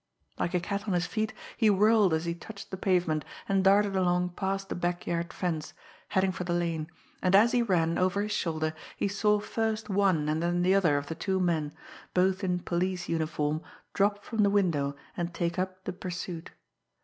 Like a cat on his feet, he whirled as he touched the pavement, and darted along past the backyard fence, heading for the lane; and, as he ran, over his shoulder, he saw first one and then the other of the two men, both in police uniform, drop from the window and take up the pursuit.